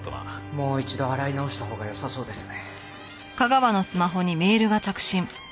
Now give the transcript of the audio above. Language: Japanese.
もう一度洗い直したほうがよさそうですね。